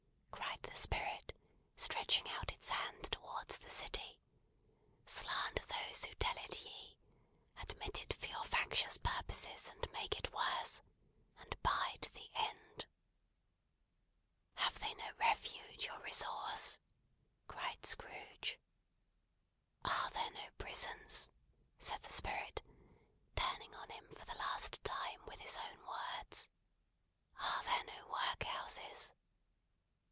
cried the Spirit, stretching out its hand towards the city. "Slander those who tell it ye! Admit it for your factious purposes, and make it worse. And bide the end!" "Have they no refuge or resource?" cried Scrooge. "Are there no prisons?" said the Spirit, turning on him for the last time with his own words. "Are there no workhouses?"